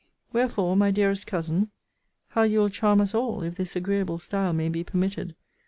Wherefore, my dearest cousin, [how you will charm us all, if this agreeable style may be permitted!